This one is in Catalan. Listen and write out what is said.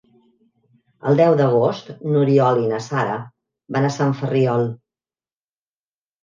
El deu d'agost n'Oriol i na Sara van a Sant Ferriol.